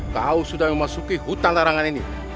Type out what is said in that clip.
kau sudah memasuki hutan larangan ini